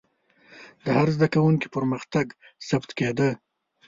د هر زده کوونکي پرمختګ ثبت کېده.